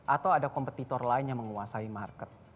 atau ada kompetitor lain yang menguasai market